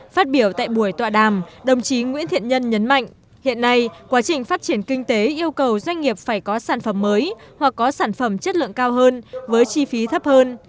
phát biểu tại buổi tọa đàm đồng chí nguyễn thiện nhân nhấn mạnh hiện nay quá trình phát triển kinh tế yêu cầu doanh nghiệp phải có sản phẩm mới hoặc có sản phẩm chất lượng cao hơn với chi phí thấp hơn